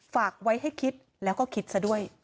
ฝากไว้ให้คิดแล้วก็คิดซะด้วย